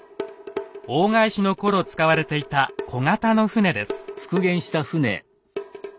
大返しの頃使われていた小型の船です。